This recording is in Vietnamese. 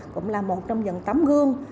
cũng là một trong những tấm gương